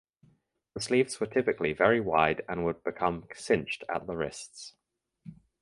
The sleeves were typically very wide and would become cinched at the wrists.